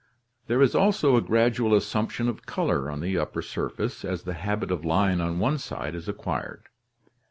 There is also a gradual as sumption of color on the upper surface as the habit of lying on one side is acquired.